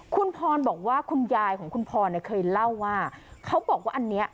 คุณพรบอกว่าคุณยายของคุณพรเนี่ยเคยเล่าว่าเขาบอกว่าอันนี้